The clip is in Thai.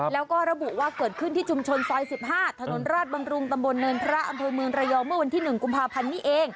แล้วก็ระบุว่าเกิดขึ้นที่ชุมชนซอย๑๕ถนนราชบำรุงตำบลเนินพระอำเภอเมืองระยองเมื่อวันที่๑กุมภาพันธ์นี้เอง